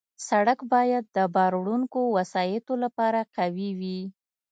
سړک باید د بار وړونکو وسایطو لپاره قوي وي.